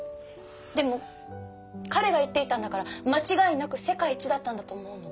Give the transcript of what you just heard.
でも彼が言っていたんだから間違いなく世界一だったんだと思うの。